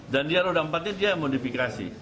dan dia roda empatnya dia modifikasi